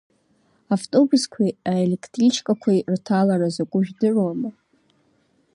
Автобусқәеи аелектричкақәеи рҭалара закәу жәдыруама!